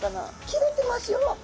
切れてますよ。